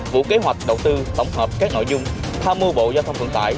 bộ kế hoạch đầu tư tổng hợp các nội dung tham mưu bộ giao thông vận tải